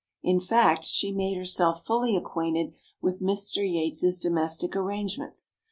In fact, she made herself fully acquainted with Mr. Yates' domestic arrangements.